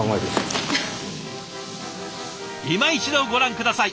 いま一度ご覧下さい。